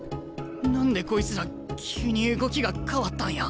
何でこいつら急に動きが変わったんや？